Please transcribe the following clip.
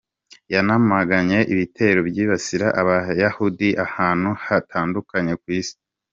Yanamaganye ibitero byibasira Abayahudi ahantu hatandukanye ku isi.